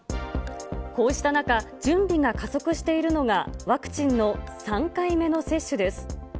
こうした中、準備が加速しているのがワクチンの３回目の接種です。